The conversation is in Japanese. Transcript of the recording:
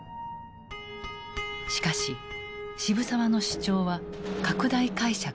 しかし渋沢の主張は拡大解釈されていく。